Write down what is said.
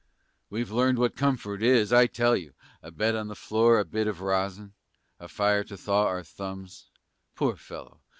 We've learned what comfort is, I tell you! A bed on the floor, a bit of rosin, A fire to thaw our thumbs (poor fellow!